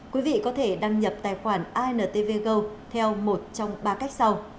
quý vị có thể đăng nhập tài khoản intv go theo một trong ba cách sau